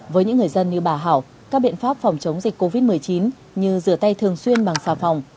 với những người dân như bà hảo các biện pháp phòng chống dịch covid một mươi chín như rửa tay thường xuyên bằng xà phòng